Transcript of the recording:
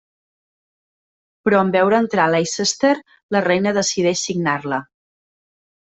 Però en veure entrar a Leicester, la reina decideix signar-la.